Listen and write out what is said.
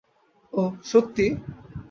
ওহ, সত্যিই?